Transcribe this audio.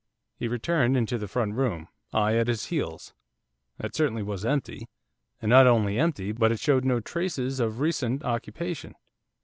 He returned into the front room, I at his heels. That certainly was empty, and not only empty, but it showed no traces of recent occupation.